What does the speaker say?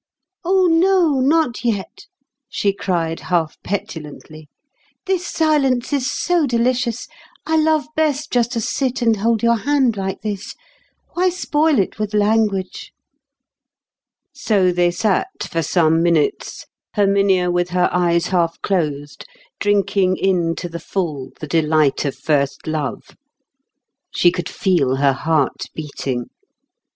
"Oh, no, not yet," she cried half petulantly; "this silence is so delicious. I love best just to sit and hold your hand like this. Why spoil it with language?" So they sat for some minutes, Herminia with her eyes half closed, drinking in to the full the delight of first love. She could feel her heart beating.